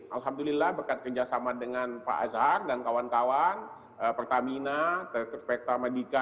alhamdulillah berkat kerjasama dengan pak azhar dan kawan kawan pertamina terspektar maghidka